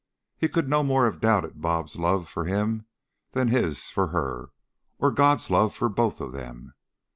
He could no more have doubted "Bob's" love for him than his for her, or God's love for both of them.